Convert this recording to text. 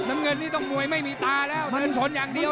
มันเมือนนี้ต้องคุยไม่มีตาแล้วแล้วสมเสียญอย่างเดียว